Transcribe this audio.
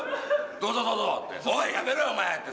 「どうぞどうぞ」って「おいやめろよお前」って。